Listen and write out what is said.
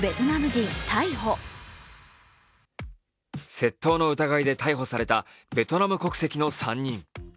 窃盗の疑いで逮捕されたベトナム国籍の３人。